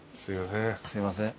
すいません。